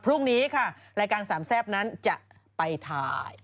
พรุ่งนี้ค่ะรายการสามแซ่บนั้นจะไปถ่าย